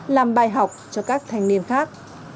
làm bài học cho các thanh niên khác